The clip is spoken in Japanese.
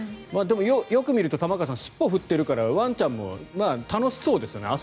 でも、よく見ると玉川さん尻尾を振っているからワンちゃんも楽しそうですよね。